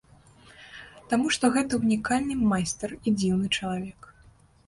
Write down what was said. Таму што гэта ўнікальны майстар і дзіўны чалавек.